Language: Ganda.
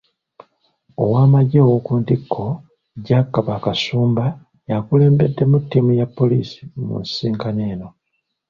Owamajje ow'okuntiko Jack Bakasumba y'akulembeddemu ttiimu ya poliisi mu nsisinkano eno.